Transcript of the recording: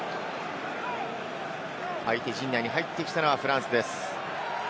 相手陣内に入ってきたのはフランスです。